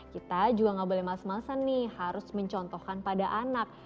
kita juga gak boleh males malesan nih harus mencontohkan pada anak